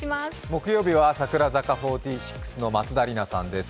木曜日は櫻坂４６の松田里奈ちゃんです。